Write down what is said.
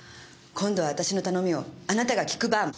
今度は私の頼みをあなたが聞く番。